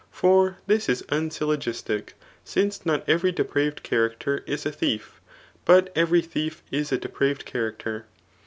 '' For this is unsyllogistic ; since not every depraved cha racter is a thief, but every thief is a depraved character.